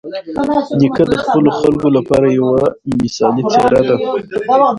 نیکه د خپلو خلکو لپاره یوه مثالي څېره ده.